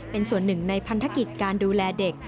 เป็นส่วนหนึ่งในพันธกิจการดูแลเด็ก